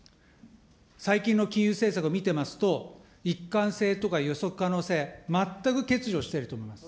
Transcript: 最近の金融政策を見てますと、一貫性とか予測可能性、全く欠如してると思います。